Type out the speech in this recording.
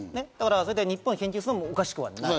日本が研究するのもおかしくない。